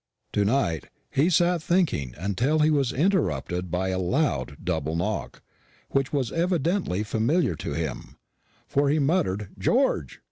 Tonight he sat thinking until he was interrupted by a loud double knock, which was evidently familiar to him, for he muttered "George!"